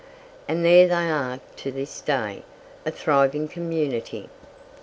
And there they are to this day, a thriving community.